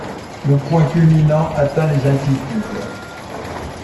Le point culminant atteint les d'altitude.